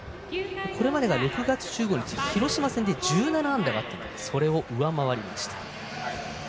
これまでが６月１５日、広島戦で１７安打があったのでそれを上回りました。